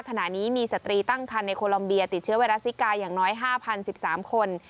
ขณะนี้มีสตรีตั้งคันในโคลอมเบียติดเชื้อไวรัสซิกาอย่างน้อย๕๐๑๓คน